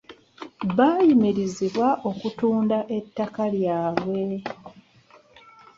Baayimirizibwa okutunda ettaka lyabwe.